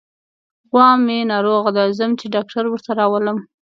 غوا مې ناروغه ده، ځم چې ډاکټر ورته راولم.